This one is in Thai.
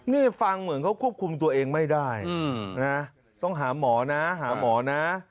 นี่ฟังเหมือนเขาควบคุมตัวเองไม่ได้นะต้องหาหมอนะหาหมอนะ